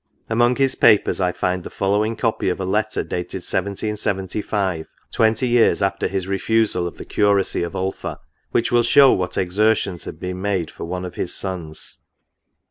Among his papers I find the following copy of a letter, dated 1775, twenty years after his refusal of the curacy of Ulpha, which will show what exertions had been made for one of his sons. NOTES.